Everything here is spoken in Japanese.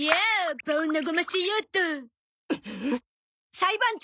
裁判長！